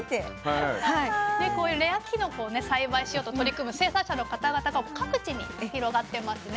でこういうレアきのこを栽培しようと取り組む生産者の方々が各地に広がってますね。